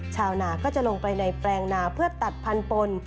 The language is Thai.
ชาวนาก็จะลงไปในแปลงนาเพื่อตัดพันปน